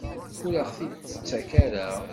Ur aɣ-t-id-tettak ara?